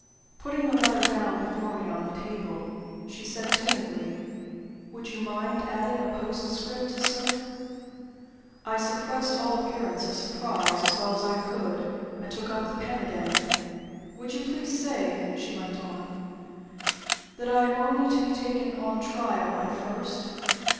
Putting the letter down before me on the table, she said, timidly: "Would you mind adding a postscript, sir?" I suppressed all appearance of surprise as well as I could, and took up the pen again. "Would you please say," she went on, "that I am only to be taken on trial, at first?